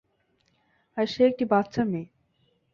আর সে একটি বাচ্চা মেয়ে।